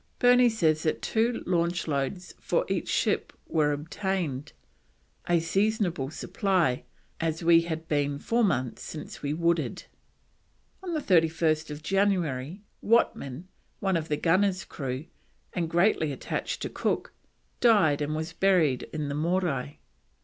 Burney says that two launch loads for each ship were obtained, "a seasonable supply, as we had been four months since we wooded." On 31st January Whatman, one of the gunner's crew, and greatly attached to Cook, died and was buried in the Morai.